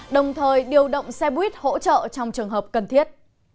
đồng thời điều động xe buýt hỗ trợ trong trường hợp cần thiết